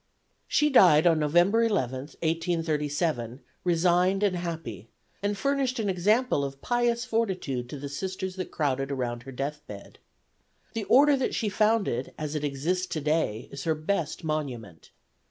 She died on November 11, 1837, resigned and happy, and furnished an example of pious fortitude to the Sisters that crowded about her deathbed. The Order that she founded, as it exists to day, is her best monument.